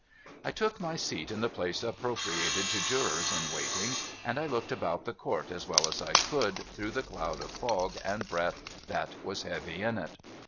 I took my scat in the place appropriated to Jurors in waiting, and I looked about the Court as well as I could through the cloud of fog and breath that was heavy in it.